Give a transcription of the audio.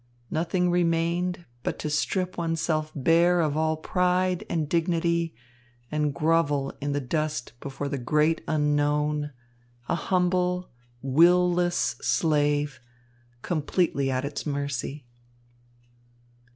Nothing remained but to strip oneself bare of all pride and dignity and grovel in the dust before the great unknown, a humble, will less slave, completely at its mercy.